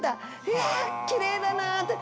いやあきれいだなあって。